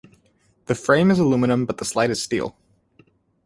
The frame is aluminum but the slide is steel.